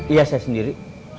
iya saya sendiri